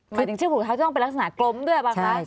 เหมือนถึงเชื้อผูกรองเท้าจะต้องเป็นลักษณะกลมด้วยบางครั้ง